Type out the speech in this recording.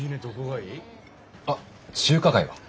あっ中華街は？